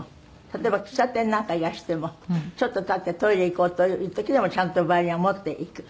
例えば喫茶店なんかいらしてもちょっと立ってトイレ行こうという時でもちゃんとヴァイオリンは持っていく？